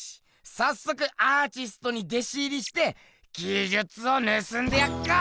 さっそくアーチストに弟子入りして技じゅつを盗んでやっか！